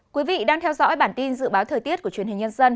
quý vị đang theo dõi bản tin dự báo thời tiết của truyền hình nhân dân